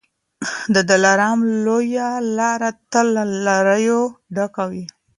د دلارام لویه لاره تل له لاریو ډکه وي.